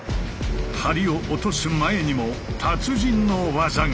梁を落とす前にも達人の技が。